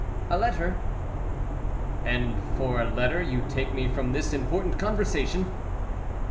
"A letter." "And for a letter you take me from this important conversation."